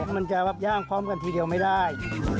มันจะรับย่างพร้อมกันทีเดียวไม่ได้